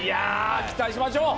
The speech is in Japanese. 期待しましょう。